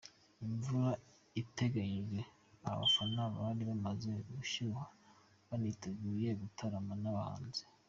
Imvura itatanyije abafana bari bamaze gushyuha baniteguye gutaramana n’abahanzi.